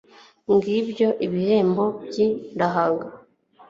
ngibyo ibihembo by'indahaga